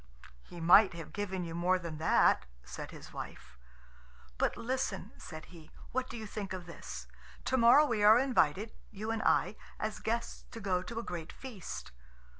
"He might have given you more than that," said his wife. "But listen," said he; "what do you think of this? To morrow we are invited, you and I, as guests, to go to a great feast."